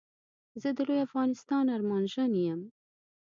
زه د لوي افغانستان ارمانژن يم